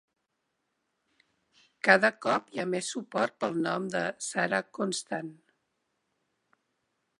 Cada cop hi ha més suport pel nom de Sarah Constant.